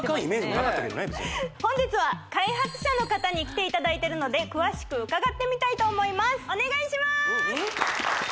別に本日は開発者の方に来ていただいてるので詳しく伺ってみたいと思いますお願いしますうん？